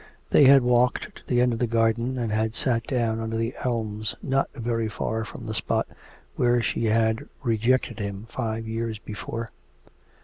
They had walked to the end of the garden, and had sat down under the elms not very far from the spot where she had rejected him five years before.